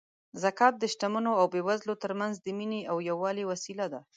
زکات د شتمنو او بېوزلو ترمنځ د مینې او یووالي وسیله ده.